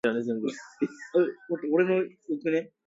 The title track is a complex mix of classical, folk, jazz and blues.